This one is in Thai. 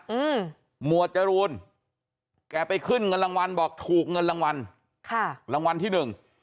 อืมหมวดจรูนแกไปขึ้นเงินรางวัลบอกถูกเงินรางวัลค่ะรางวัลที่หนึ่ง